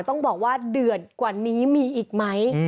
ต้องบอกว่าเดือดกว่านี้มีอีกไหม